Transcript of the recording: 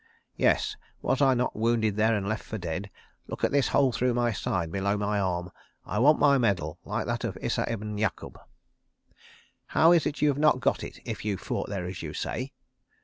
"'Yes. Was I not wounded there and left for dead? Look at this hole through my side, below my arm. I want my medal—like that of Isa ibn Yakub.' "'How is it that you have not got it, if you fought there as you say?